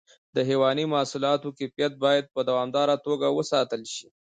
د حیواني محصولاتو کیفیت باید په دوامداره توګه وساتل شي.